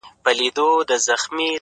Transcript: زما په ليدو دي زړگى ولي وارخطا غوندي سي،